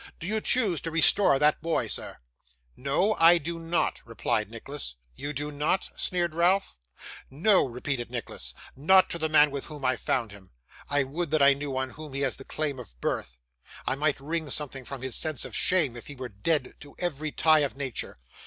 Do you choose to restore that boy, sir?' 'No, I do not,' replied Nicholas. 'You do not?' sneered Ralph. 'No,' repeated Nicholas, 'not to the man with whom I found him. I would that I knew on whom he has the claim of birth: I might wring something from his sense of shame, if he were dead to every tie of nature.